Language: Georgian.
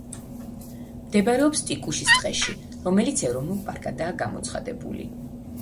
მდებარეობს ტიჟუკის ტყეში, რომელიც ეროვნულ პარკადაა გამოცხადებული.